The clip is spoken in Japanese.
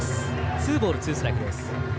ツーボール、ツーストライクです。